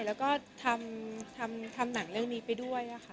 แล้วก็ทำทางนั้นเรื่องนี้ไปด้วยต่อค่ะ